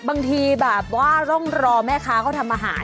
บางทีแบบว่าต้องรอแม่ค้าเขาทำอาหาร